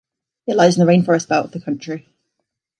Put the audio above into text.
It lies in the rainforest belt of the country.